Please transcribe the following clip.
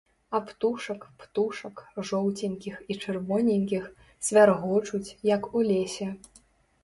А птушак, птушак, жоўценькіх і чырвоненькіх, свяргочуць, як у лесе.